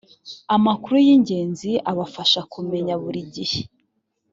amakuru y ingenzi abafasha kumenya buri gihe